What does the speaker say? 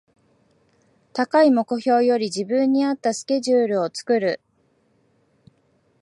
高い目標より自分に合ったスケジュールを作る